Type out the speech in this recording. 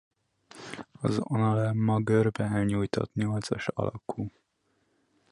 Az analemma-görbe elnyújtott nyolcas alakú.